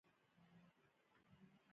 ته پخوا غولېدلى وي.